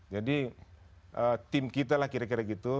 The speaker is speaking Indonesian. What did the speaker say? jadi tim kita kira kira gitu